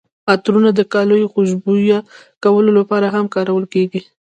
عطرونه د کالیو خوشبویه کولو لپاره هم کارول کیږي.